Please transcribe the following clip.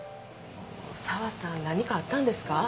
沢さん何かあったんですか？